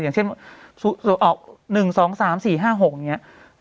อย่างเช่นออก๑๒๓๔๕๖อย่างนี้